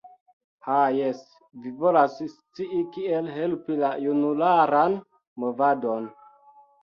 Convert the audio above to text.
Ha, jes, vi volas scii kiel helpi la junularan movadon.